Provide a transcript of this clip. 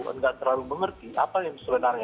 tidak terlalu mengerti apa yang sebenarnya